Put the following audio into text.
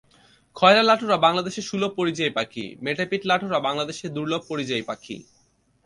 খয়রা লাটোরা বাংলাদেশের সুলভ পরিযায়ী পাখি, মেটেপিঠ লাটোরা বাংলাদেশের দুর্লভ পরিযায়ী পাখি।